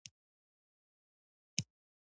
ده نېغ په نېغه د ګرګين ظلمونه نه شوای يادولای.